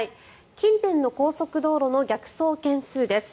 近年の高速道路の逆走件数です。